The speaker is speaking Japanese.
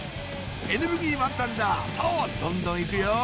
エネルギー満タンださぁどんどん行くよ！